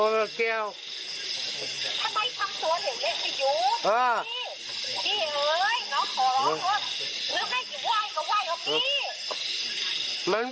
ทุกคนไม่ได้ห่วงมันเหรอ